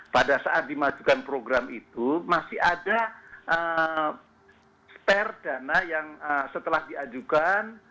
pada saat dimajukan program itu masih ada spare dana yang setelah diajukan